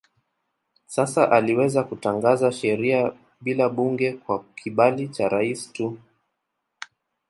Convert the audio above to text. Sasa aliweza kutangaza sheria bila bunge kwa kibali cha rais tu.